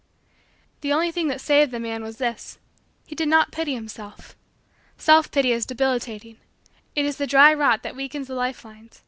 And the only thing that saved the man was this: he did not pity himself. Self pity is debilitating. It is the dry rot that weakens the life lines.